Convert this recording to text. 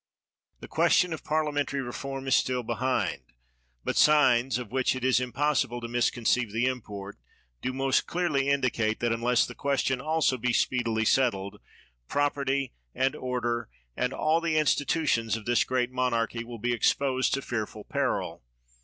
The question of parliamentary reform is still behind. But signs, of which it is impossible to misconceive the import, do most clearly indicate that, unless that question also be speedily settled, property, and order, and all the institutions of this great monarchy, will be exi)osed to fearful peril.